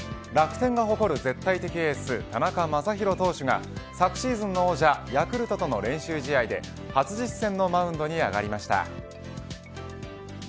楽天が誇る絶対的エース田中将大投手が昨シーズンの王者ヤクルトとの練習試合で初実戦のマウンドに上がりました。